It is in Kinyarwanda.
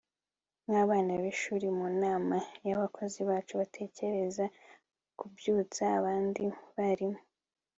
nk'abana b'ishuri mu nama y'abakozi bacu, batekereza kubyutsa abandi barimu